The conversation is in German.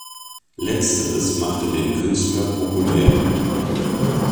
Letzteres machte den Künstler populär.